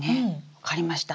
分かりました。